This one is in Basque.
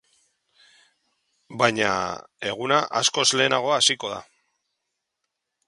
Baina, eguna askoz lehenago hasiko da.